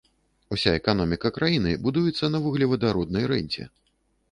Уся эканоміка краіны будуецца на вуглевадароднай рэнце.